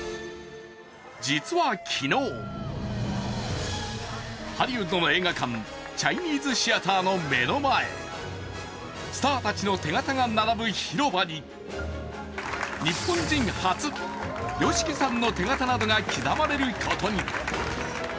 実は昨日、ハリウッドの映画館チャイニーズ・シアターの目の前スターたちの手形が並ぶ広場に日本人初、ＹＯＳＨＩＫＩさんの手形などが刻まれることに。